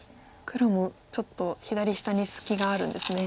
黒もちょっと左下に隙があるんですね。